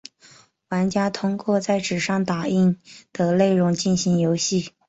玩家通过在纸上打印的内容进行游戏。